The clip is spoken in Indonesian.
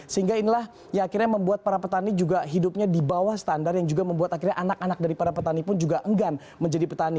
sehingga inilah yang akhirnya membuat para petani juga hidupnya di bawah standar yang juga membuat akhirnya anak anak dari para petani pun juga enggan menjadi petani